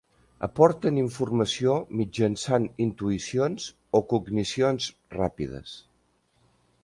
Aporten informació mitjançant intuïcions o cognicions ràpides.